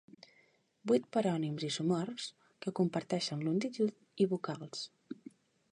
Vuit parònims isomorfs que comparteixen longitud i vocals.